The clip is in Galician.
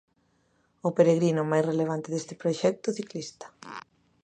O peregrino máis relevante deste proxecto ciclista.